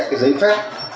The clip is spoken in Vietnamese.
cái giấy phép